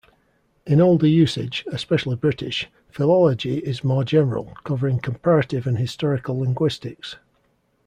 In older usage, especially British, philology is more general, covering comparative and historical linguistics.